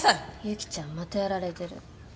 由希ちゃんまたやられてる。